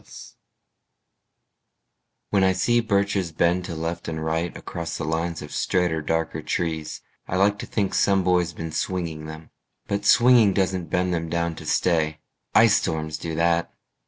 BIRCHES When I see birches bend to left and right Across the lines of straighter darker trees, I like to think some boy's been swinging them. But swinging doesn't bend them down to stay. Ice storms do that.